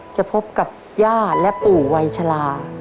จะพบกับย่าและปู่วัยชะลา